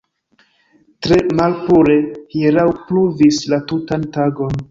Tre malpure; hieraŭ pluvis la tutan tagon.